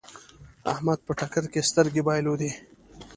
احمد په ټکر کې سترګې بايلودې.